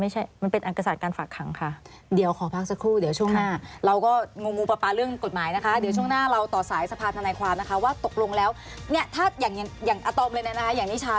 ใช่มันเป็นอักษรการฝากคังมันไม่ใช่มันเป็นอักษรการฝากคังค่ะ